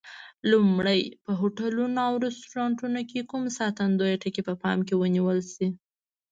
لومړی: په هوټلونو او رستورانتونو کې کوم ساتندویه ټکي په پام کې ونیول شي؟